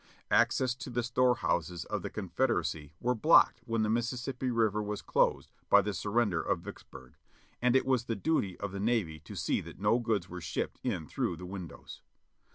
Access to the store houses of the Confederacy was blocked when the Mississippi River was closed by the surrender of Vicks burg, and it was the duty of the Navy to see that no goods were shipped in through the windows.